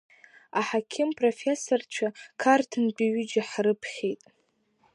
Аҳақьым профессорцәа Қарҭнтәи ҩыџьа ҳрыԥхьеит.